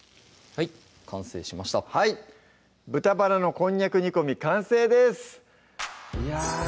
はい豚バラのこんにゃく煮込み完成ですいや